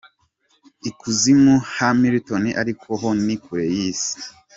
I kuzimu ha Milton, ariko, ho ni kure y’Isi.